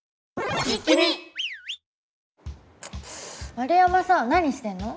円山さん何してんの？